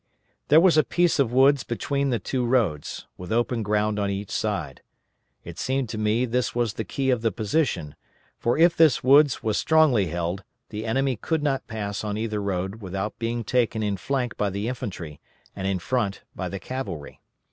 There was a piece of woods between the two roads, with open ground on each side. It seemed to me this was the key of the position, for if this woods was strongly held, the enemy could not pass on either road without being taken in flank by the infantry, and in front by the cavalry.